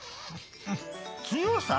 強さ？